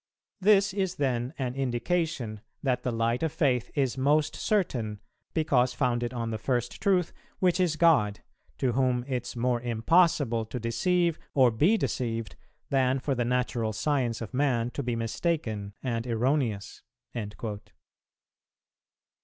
This is then an indication that the light of Faith is most certain, because founded on the first truth, which is God, to whom it's more impossible to deceive or be deceived than for the natural science of man to be mistaken and erroneous.'[333:1] ....